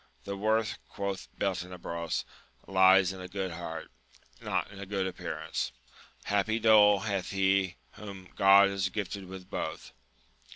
The worth, quoth Beltenebros, lies in a good heart, not in a good appearance ! happy dole hath he whom God has gifted with both